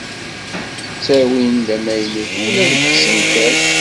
Ttawin-d amaynut ula deg yisental.